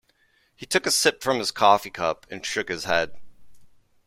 He took a sip from his coffee cup and shook his head.